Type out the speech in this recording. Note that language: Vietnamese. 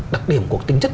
đặc điểm của tính chất